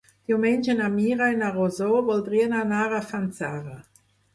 Diumenge na Mira i na Rosó voldrien anar a Fanzara.